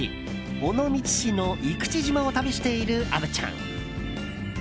尾道市の生口島を旅している虻ちゃん。